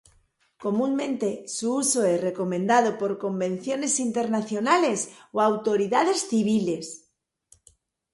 Comúnmente, su uso es recomendado por convenciones internacionales o autoridades civiles.